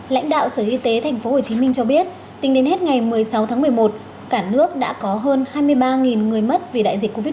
lãnh đạo sở y tế tp hcm cho biết tính đến hết ngày một mươi sáu tháng một mươi một cả nước đã có hơn hai mươi ba người mất vì đại dịch covid một mươi